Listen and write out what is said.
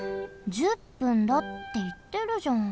１０分だっていってるじゃん。